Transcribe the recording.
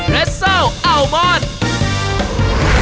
๓เลสเซิลอัลมอนด์